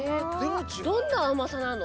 どんなあまさなの？